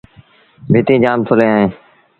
ڀتيٚن جآم ٿُلين اهيݩ۔